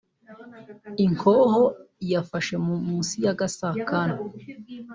inkoho yafashe munsi y'agasakanwa